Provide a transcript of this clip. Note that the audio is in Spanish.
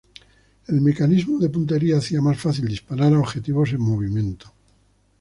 El mecanismo de puntería hacía más fácil disparar a objetivos en movimiento.